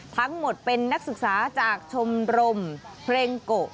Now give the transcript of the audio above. ทั้งหมดเป็นนักศึกษาจากชมรมเพลงโกะ